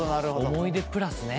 思い出プラスね。